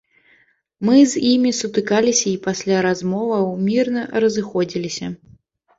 Мы з імі сутыкаліся і пасля размоваў мірна разыходзіліся.